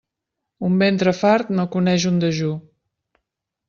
Un ventre fart no coneix un dejú.